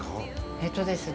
えっとですね